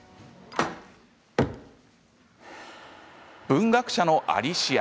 文学者のアリシア。